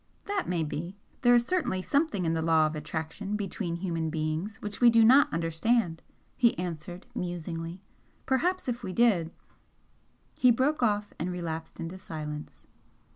"That may be. There is certainly something in the law of attraction between human beings which we do not understand," he answered, musingly "Perhaps if we did " He broke off and relapsed into silence.